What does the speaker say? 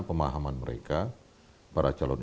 pemahaman mereka para calon